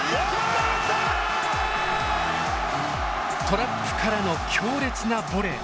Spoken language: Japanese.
トラップからの強烈なボレー。